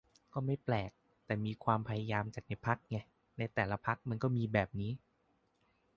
ก็ไม่แปลก แต่มีความพยายามจากในพรรคไง ในแต่ละพรรคมันก็มีแบบนี้